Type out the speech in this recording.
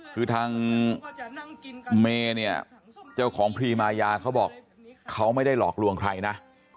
คือทางเมย์เนี่ยเจ้าของพรีมายาเขาบอกเขาไม่ได้หลอกลวงใครนะ